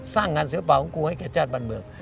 สร้างงานศิลปะของกูให้แก่ชาติบ้านเมือง